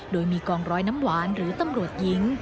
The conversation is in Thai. โดยมีกองร้อยน้ำหวานหรือตำรวจหญิง